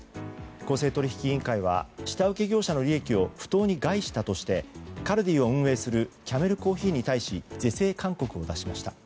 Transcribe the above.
公正取引委員会は下請け業者の利益を不当に害したとしてカルディを運営するキャメル珈琲に対し是正勧告を出しました。